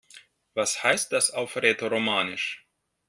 Was heißt das auf Rätoromanisch?